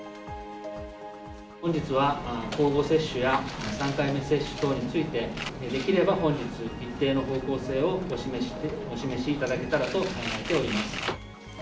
本日は交互接種や３回目接種等について、できれば本日、一定の方向性をお示しいただけたらと考えております。